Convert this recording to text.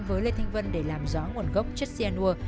với lê thanh vân để làm rõ nguồn gốc chất xe nua